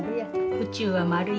宇宙は丸い。